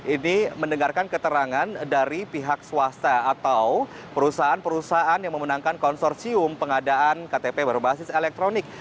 ini mendengarkan keterangan dari pihak swasta atau perusahaan perusahaan yang memenangkan konsorsium pengadaan ktp berbasis elektronik